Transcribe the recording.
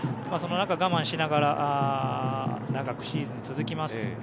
そんな中、我慢しながら長くシーズン続きます。